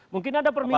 mungkin ada permintaan